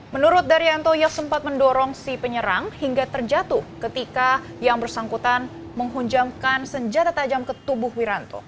menurut daryanto ia sempat mendorong si penyerang hingga terjatuh ketika yang bersangkutan menghujamkan senjata tajam ke tubuh wiranto